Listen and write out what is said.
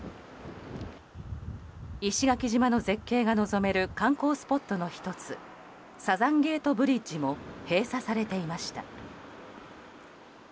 石垣島の絶景が望める観光スポットの１つサザンゲートブリッジも閉鎖されていました。